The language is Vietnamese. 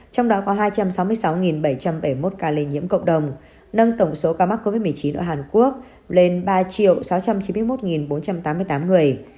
trong đó có hai trăm sáu mươi sáu bảy trăm bảy mươi một ca lây nhiễm cộng đồng nâng tổng số ca mắc covid một mươi chín ở hàn quốc lên ba sáu trăm chín mươi một bốn trăm tám mươi tám người